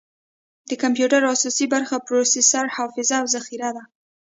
د کمپیوټر اساسي برخې پروسیسر، حافظه، او ذخیره ده.